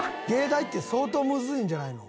「藝大って相当むずいんじゃないの？」